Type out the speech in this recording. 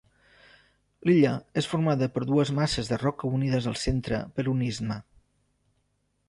L'illa és formada per dues masses de roca unides al centre per un istme.